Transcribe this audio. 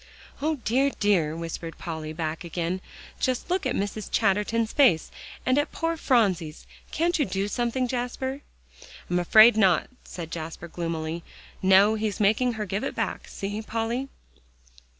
"O dear, dear!" whispered Polly, back again, "just look at Mrs. Chatterton's face, and at poor Phronsie's; can't you do something, Jasper?" "I'm afraid not," said Jasper gloomily. "No; he's making her give it back; see, Polly."